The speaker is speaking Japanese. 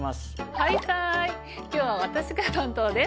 はいさい今日は私が担当です